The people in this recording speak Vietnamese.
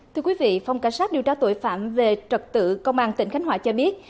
thưa quý vị phòng cảnh sát điều tra tội phạm về trật tự công an tỉnh khánh hòa cho biết